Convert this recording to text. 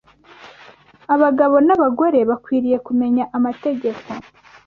abagabo n’abagore bakwiriye kumenya amategeko